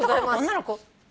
女の子？